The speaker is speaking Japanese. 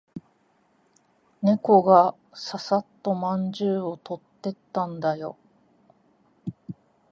猫がささっとまんじゅうを取ってったんだよ。